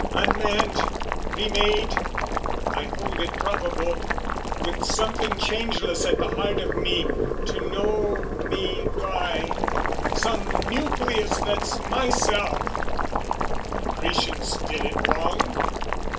Unmanned, remade: I hold it probable With something changeless at the heart of me To know me by, some nucleus that's myself: Accretions did it wrong?